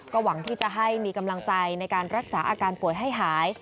หวังที่จะให้มีกำลังใจในการรักษาอาการป่วยให้หาย